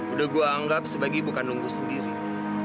udah gue anggap sebagai ibu kandung gue sendiri